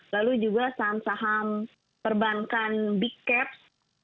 lalu juga saham saham perbankan big caps